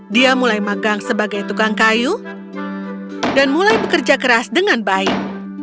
dia mulai magang sebagai tukang kayu dan mulai bekerja keras dengan baik